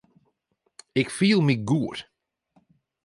Ik fiel my goed.